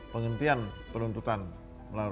penghentian penuntutan melalui